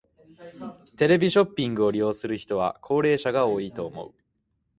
テレビショッピングを利用する人は高齢者が多いと思う。